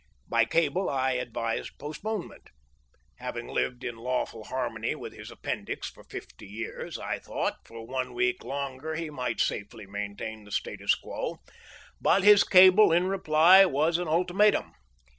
By cable I advised postponement. Having lived in lawful harmony with his appendix for fifty years, I thought, for one week longer he might safely maintain the status quo. But his cable in reply was an ultimatum.